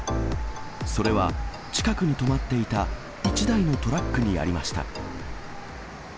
それは、近くに止まっていた一台のトラックにありました。